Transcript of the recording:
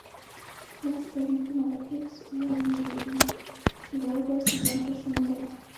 وس کوي خو مګر هیڅ وار یې نه جوړیږي، چې راوباسي ځان تر سمندره